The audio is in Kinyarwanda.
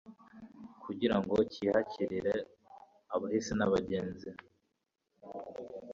kugira ngo kihakirire abahisi n'abagenzi